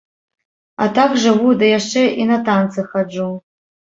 А так жыву, ды яшчэ і на танцы хаджу.